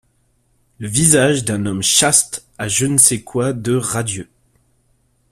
Le visage d’un homme chaste a je ne sais quoi de radieux.